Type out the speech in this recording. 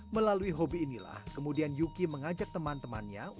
melalui hobi inilah kemudian yuki mengajak teman temannya